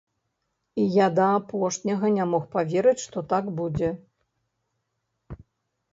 І я да апошняга не мог паверыць, што так будзе.